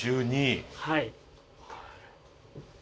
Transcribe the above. はい。